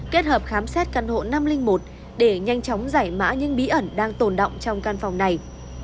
kết hợp khám xét căn hộ năm trăm linh một để nhanh chóng giải mã những bí ẩn đang tồn động trong căn phòng này